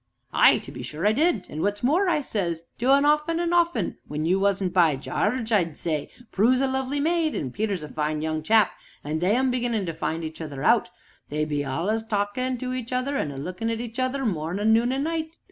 "Ay, to be sure I did; an' what's more, I says to un often an' often, when you wasn't by: 'Jarge,' I'd say, 'Prue's a lovely maid, an' Peter's a fine young chap, an' they 'm beginnin' to find each other out, they be all'us a talkin' to each other an' a lookin' at each other, mornin', noon an' night!'